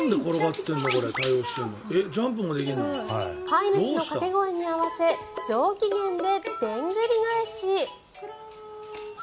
飼い主の掛け声に合わせ上機嫌ででんぐり返し。